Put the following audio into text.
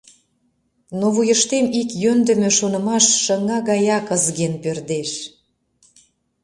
Но вуйыштем ик йӧндымӧ шонымаш шыҥа гаяк ызген пӧрдеш.